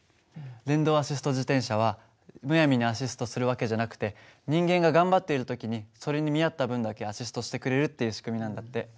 電動アシスト自転車はむやみにアシストする訳じゃなくて人間が頑張っている時にそれに見合った分だけアシストしてくれるっていう仕組みなんだって。